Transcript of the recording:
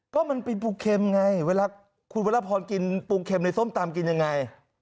ก็มันเป็นปูเข็มไงเวลาคุณวรพรกินปูเข็มในส้มตำกินยังไง